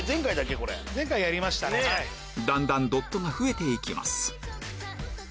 だんだんドットが増えていきます